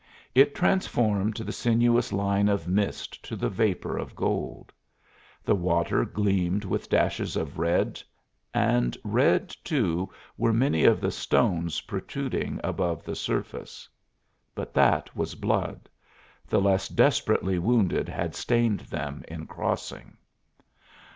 It transformed the sinuous line of mist to the vapor of gold. The water gleamed with dashes of red, and red, too, were many of the stones protruding above the surface. But that was blood; the less desperately wounded had stained them in crossing.